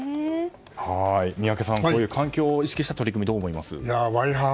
宮家さん、環境を意識した取り組みどう思います？